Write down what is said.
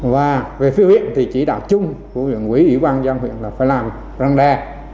và về phiêu viện thì chỉ đạo chung của huyện quý ủy ban giang huyện là phải làm răng đè